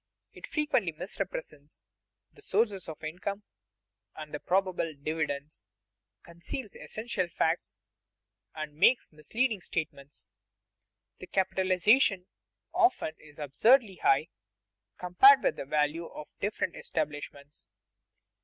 It frequently misrepresents the sources of income and the probable dividends, conceals essential facts, and makes misleading statements. The capitalization often is absurdly high, compared with the value of the different establishments.